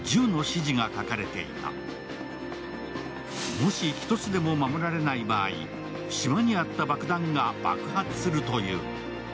もし１つでも守られない場合、島にあった爆弾が爆発するという。